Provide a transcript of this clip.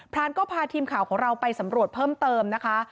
รานก็พาทีมข่าวของเราไปสำรวจเพิ่มเติมนะคะ